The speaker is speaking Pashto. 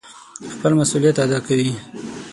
خپل مسئوليت اداء کوي.